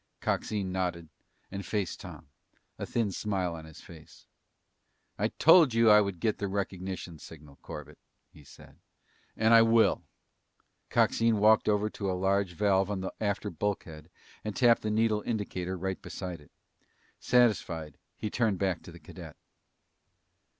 Coxine nodded and faced Tom, a thin smile on his face. "I told you I would get the recognition signal, Corbett," he said. "And I will!" Coxine walked over to a large valve on the after bulkhead and tapped the needle indicator right beside it. Satisfied, he turned back to the cadet.